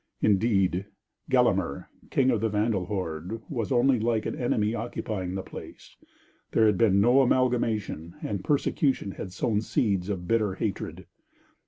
Indeed Gelimer, king of the Vandal horde, was only like an enemy occupying the place; there had been no amalgamation, and persecution had sown seeds of bitter hatred.